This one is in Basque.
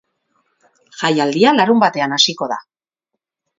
Jaialdia larunbatean hasiko da.